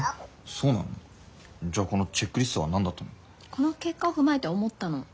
この結果を踏まえて思ったの。